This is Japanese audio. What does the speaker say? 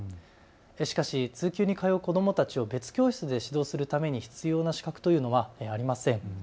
しかし通級に通う子どもたちを別教室で指導するために必要な資格というのはありません。